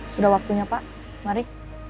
sudah waktunya pak mari